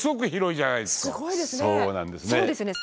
そうなんですね。